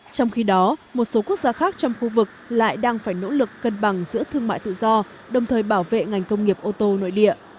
trong khi đó một số quốc gia khác trong khu vực lại đang phải nỗ lực cân bằng giữa thương mại tự do đồng thời bảo vệ ngành công nghiệp ô tô nội địa